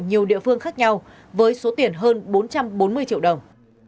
nhiều địa phương khác nhau với số tiền hơn bốn trăm bốn mươi triệu đồng